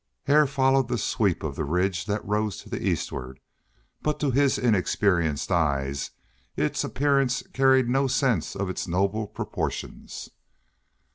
Hare followed the sweep of the ridge that rose to the eastward, but to his inexperienced eyes its appearance carried no sense of its noble proportions.